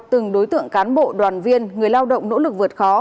từng đối tượng cán bộ đoàn viên người lao động nỗ lực vượt khó